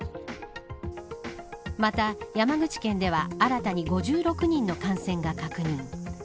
また、山口県では新たに５６人の感染が確認。